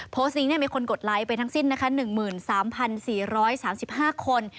โพสต์นี้มีคนกดไลค์ไปทั้งสิ้นนะคะ๑๓๔๓๕คน